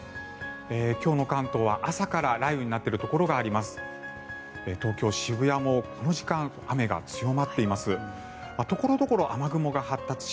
今日の関東は朝から雷雨になっているところがあります。